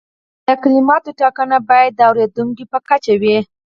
د کلماتو ټاکنه باید د اوریدونکي په کچه وي.